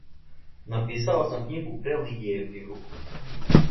Написао сам књигу прелијепим рукописом.